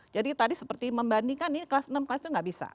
tadi seperti membandingkan nih kelas enam kelas itu nggak bisa